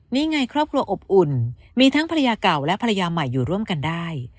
นี่ไงครอบครัวอบอุ่นมีทั้งภรรยาเก่าและภรรยาใหม่อยู่ร่วมกันได้